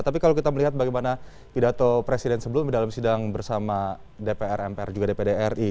tapi kalau kita melihat bagaimana pidato presiden sebelumnya dalam sidang bersama dpr mpr juga dpd ri